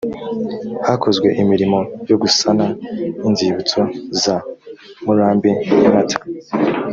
hakozwe imirimo yo gusana inzibutso za murambi nyamata